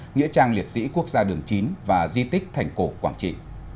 nghĩa trang liệt sĩ quốc gia đường chín và di tích thành cổ quảng trị